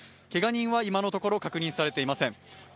けが人は今のところ確認されていません。